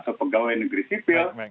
atau pegawai negeri sipil